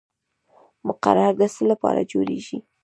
مقرره د څه لپاره جوړیږي؟